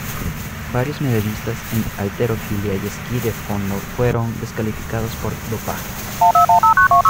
Varios medallistas en halterofilia y esquí de fondo fueron descalificados por dopaje.